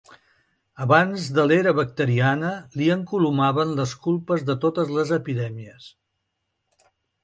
Abans de l'era bacteriana li encolomaven les culpes de totes les epidèmies.